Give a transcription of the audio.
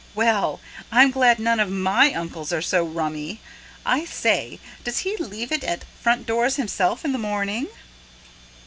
Well, I'm glad none of MY uncles are so rummy. I say, does he leave it at front doors himself in the morning?"